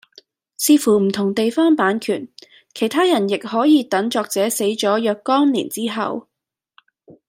視乎唔同地方版權其他人亦可以等作者死咗若干年之後